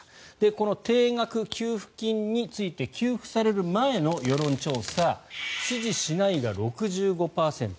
この定額給付金について給付される前の世論調査支持しないが６５％。